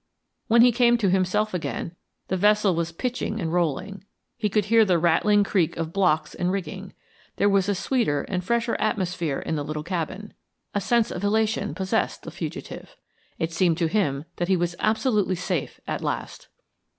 When he came to himself again, the vessel was pitching and rolling; he could hear the rattling creak of blocks and rigging; there was a sweeter and fresher atmosphere in the little cabin. A sense of elation possessed the fugitive. It seemed to him that he was absolutely safe at last.